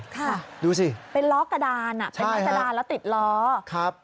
ค่ะดูสิเป็นล้อกระดานอ่ะเป็นไม้กระดานแล้วติดล้อครับ